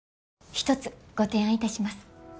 一つご提案いたします。